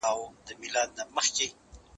دې چي ول احمد به خفه وي